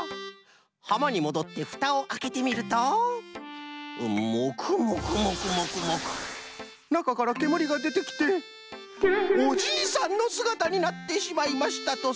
はまにもどってフタをあけてみるとモクモクモクモクモクなかからけむりがでてきておじいさんのすがたになってしまいましたとさ。